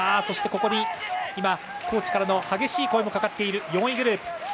そしてコーチからの激しい声もかかっている４位グループ。